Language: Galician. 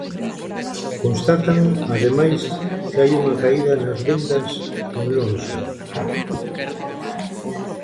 Constatan, ademais, que hai unha caída nas vendas en lonxa.